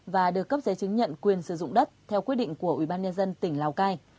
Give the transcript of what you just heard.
và được cấp giấy chứng nhận quyền sử dụng đất theo quyết định của ủy ban nhân dân tỉnh lào cai